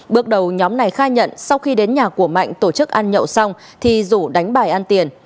bước đầu nhóm này khai nhận sau khi đến nhà của mạnh tổ chức ăn nhậu xong thì rủ đánh bài ăn tiền